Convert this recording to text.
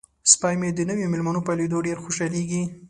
سپی مې د نویو میلمنو په لیدو ډیر خوشحالیږي.